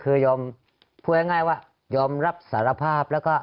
คือยอมพูดง่ายว่ายอมรับสารภาพแล้วก็